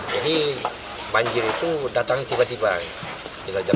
jadi banjir itu datang tiba tiba kira kira jam sembilan